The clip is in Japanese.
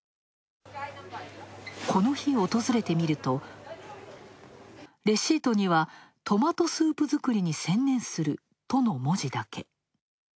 この日、訪れてみるとレシートには「トマトスープ作りに専念する」との文字だけ。